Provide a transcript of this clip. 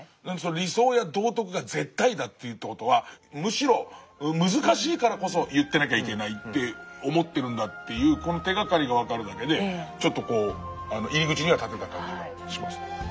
理想や道徳が絶対だって言うって事はむしろ難しいからこそ言ってなきゃいけないって思ってるんだというこの手がかりが分かるだけでちょっと入り口には立てた感じがします。